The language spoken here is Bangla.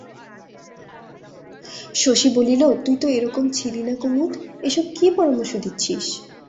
শশী বলিল, তুই তো এরকম ছিলি না কুমুদ, এসব কী পরামর্শ দিচ্ছিস?